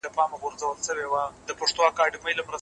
ډیپلوماټیک اړیکي باید د متقابل احترام پر بنسټ وي.